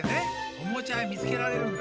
おもちゃや見つけられるんだ。